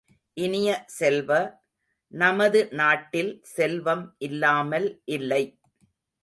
இனிய செல்வ, நமது நாட்டில் செல்வம் இல்லாமல் இல்லை.